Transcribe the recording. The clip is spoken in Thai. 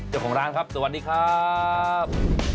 เจ้าของร้านครับสวัสดีครับ